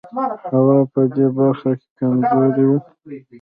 هوا په دې برخه کې کمزوری و.